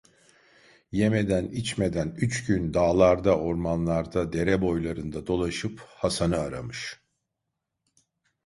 Yemeden, içmeden üç gün dağlarda, ormanlarda, dere boylarında dolaşıp Hasan'ı aramış.